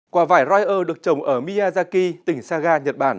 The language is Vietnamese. quả vải raier được trồng ở miyazaki tỉnh saga nhật bản